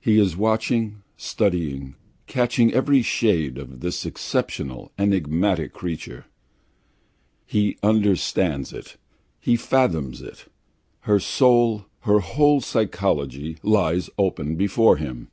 He is watching, studying, catching every shade of this exceptional, enigmatic nature. He understands it, he fathoms it. Her soul, her whole psychology lies open before him.